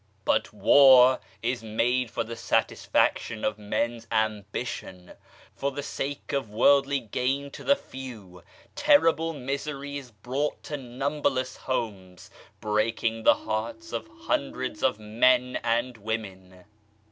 But War is made for the satisfaction of men's ambi tion ; for the sake of worldly gain to the few terrible misery is brought to numberless homes, breaking the hearts of hundreds of men and women